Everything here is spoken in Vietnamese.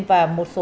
và một số tài năng